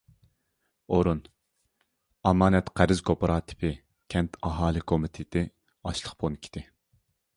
ئورۇن ئامانەت-قەرز كوپىراتىپى، كەنت ئاھالە كومىتېتى، ئاشلىق پونكىتى.